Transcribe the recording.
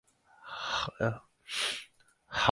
以科學化的訓練